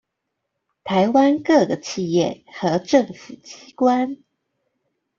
台灣各個企業和政府機關